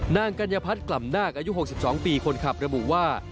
กัญญพัฒน์กล่ำนาคอายุ๖๒ปีคนขับระบุว่า